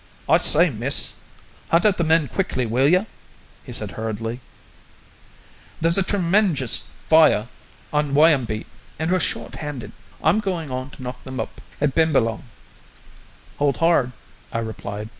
"I say, miss, hunt up the men quickly, will you?" he said hurriedly. "There's a tremenjous fire on Wyambeet, and we're short handed. I'm goin' on to knock them up at Bimbalong." "Hold hard," I replied.